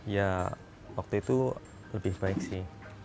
ya waktu itu lebih baik sih